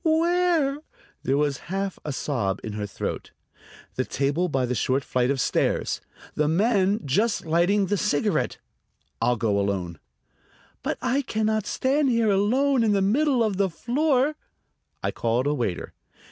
"Where?" There was half a sob in her throat. "The table by the short flight of stairs ... the man just lighting the cigarette. I'll go alone." "But I can not stand here alone in the middle of the floor...." I called a waiter.